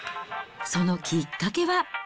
そのきっかけは。